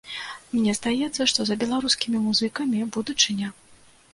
Мне здаецца, што за беларускімі музыкамі будучыня.